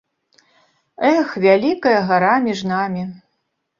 Эх, вялікая гара між намі.